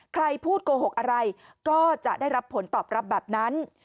ใครพูดโกหกอะไรก็จะได้รับผลตอบรับแบบนั้น